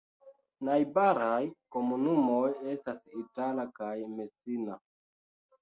Najbaraj komunumoj estas Itala kaj Messina.